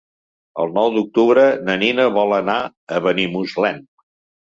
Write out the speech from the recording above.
El nou d'octubre na Nina vol anar a Benimuslem.